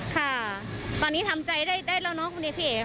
ค่ะตอนนี้ทำใจได้ได้แล้วนะคุณพลีครับพี่เอ๋ค่ะ